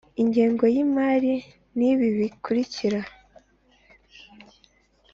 ingengo y imari ni ibi bikurikira